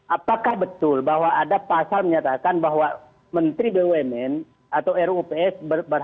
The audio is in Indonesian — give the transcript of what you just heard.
apakah betul bahwa ada pasal menyatakan bahwa menteri bumn atau ruups